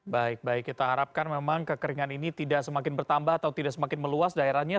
baik baik kita harapkan memang kekeringan ini tidak semakin bertambah atau tidak semakin meluas daerahnya